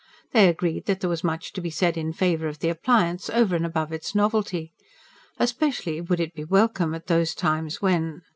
They agreed that there was much to be said in favour of the appliance, over and above its novelty. Especially would it be welcome at those times when...